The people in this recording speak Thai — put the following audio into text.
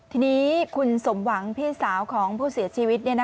ทีนี้คุณสมหวังพี่สาวของผู้เสียชีวิต